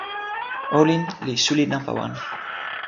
olin li suli nanpa wan.